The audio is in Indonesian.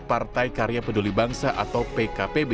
tentu saja partai karya peduli bangsa atau pkpb